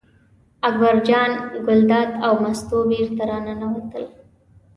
اکبر جان ګلداد او مستو بېرته راننوتل.